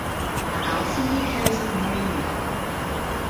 A allsen ni kewsel moy yn ughel?